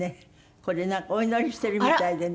これなんかお祈りしているみたいでね。